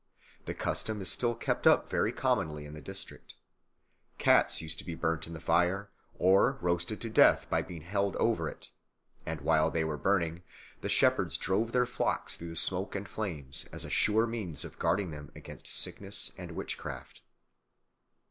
The custom is still kept up very commonly in the district. Cats used to be burnt in the fire or roasted to death by being held over it; and while they were burning the shepherds drove their flocks through the smoke and flames as a sure means of guarding them against sickness and witchcraft.